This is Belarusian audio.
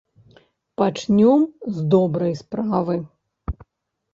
Пачнём з добрай справы.